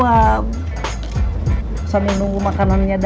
a kang untuk american